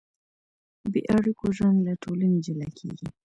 بېاړیکو ژوند له ټولنې جلا کېږي.